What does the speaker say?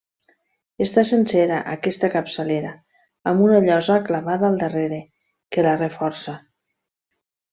Està sencera aquesta capçalera, amb una llosa clavada al darrere, que la reforça.